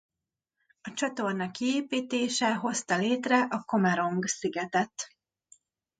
A csatorna kiépítése hozta létre a Comerong-szigetet.